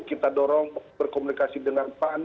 kita dorong berkomunikasi dengan